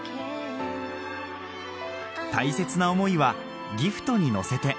大切な思いはギフトに乗せて